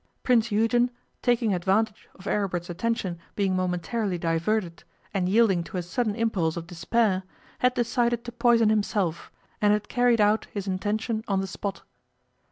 Prince Eugen, taking advantage of Aribert's attention being momentarily diverted; and yielding to a sudden impulse of despair, had decided to poison himself, and had carried out his intention on the spot.